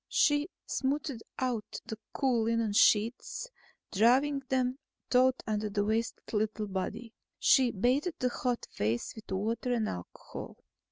She smoothed out the cool linen sheets, drawing them taut under the wasted little body. She bathed the hot face with water and alcohol.